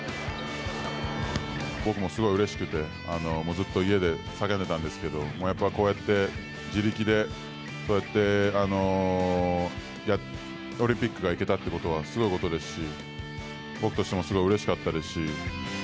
僕もすごいうれしくて、もうずっと家で叫んでたんですけども、やっぱこうやって自力で、こうやってオリンピックが行けたってことはすごいことですし、僕としてもすごいうれしかったですし。